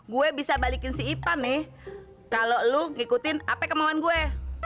gua bisa balikin si ipan nih kalo lu ngikutin apa kemauan gua